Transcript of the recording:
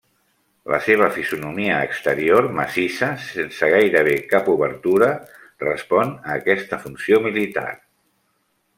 La seva fisonomia exterior massissa sense gairebé cap obertura respon a aquesta funció militar.